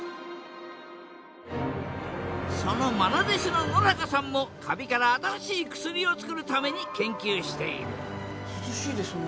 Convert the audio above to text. そのまな弟子の野中さんもカビから新しい薬をつくるために研究している涼しいですね。